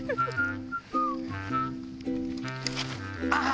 ああ。